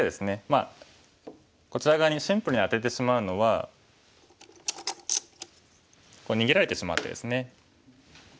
まあこちら側にシンプルにアテてしまうのは逃げられてしまってですね。